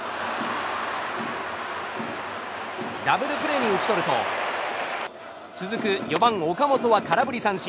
ダブルプレーに打ち取ると続く４番、岡本は空振り三振。